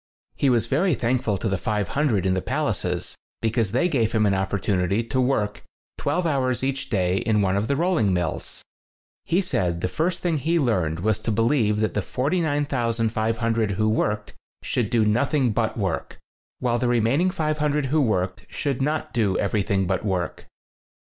He was very thankful to the 500 in the palaces, because they gave him an opportunity to work twelve hours each day in one of the rolling mills. He said the first thing he learned was to believe that the 49,500 who worked should do nothing but work, while the remaining 500 who worked not should do everything but work.